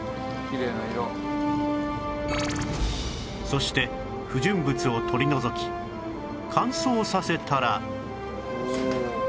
そして不純物を取り除き乾燥させたら